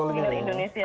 mungkin dari indonesia